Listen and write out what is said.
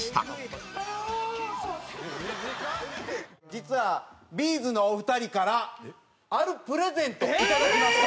実はＢ’ｚのお二人からあるプレゼントをいただきました。